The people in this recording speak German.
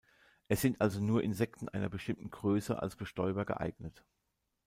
Es sind also nur Insekten einer bestimmten Größe als Bestäuber geeignet.